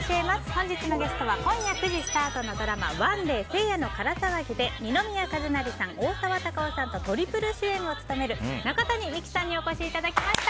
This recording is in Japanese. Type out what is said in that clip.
本日のゲストは今夜９時スタートのドラマ「ＯＮＥＤＡＹ聖夜のから騒ぎ」で二宮和也さん、大沢たかおさんとトリプル主演を務める中谷美紀さんにお越しいただきました。